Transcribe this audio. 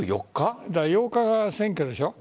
８日が選挙でしょう。